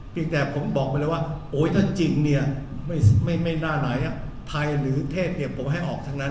เพียงแต่ผมบอกกันเลยว่าโอ๊ยถ้าจริงเนี่ยไม่น่าไหลกราบไทยหรือเทศนี้ผมให้ออกทั้งนั้น